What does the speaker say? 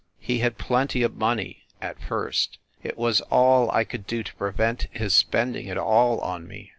.,. He had plenty of money, at first. It was all I could do to prevent his spending it all on me.